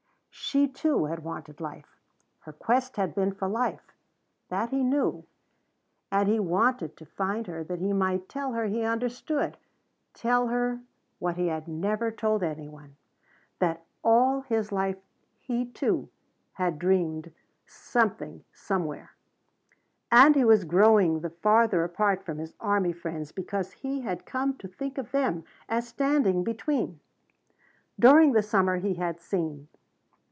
She, too, had wanted life. Her quest had been for life that he knew. And he wanted to find her that he might tell her he understood, tell her what he had never told any one that all his life he, too, had dreamed of a something somewhere. And he was growing the farther apart from his army friends because he had come to think of them as standing between. During the summer he had seen.